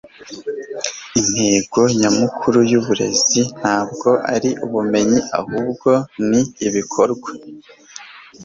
intego nyamukuru y'uburezi ntabwo ari ubumenyi ahubwo ni ibikorwa